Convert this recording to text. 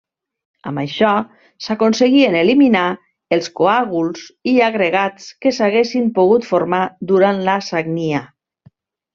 Amb això s'aconseguien eliminar els coàguls i agregats que s'haguessin pogut formar durant la sagnia.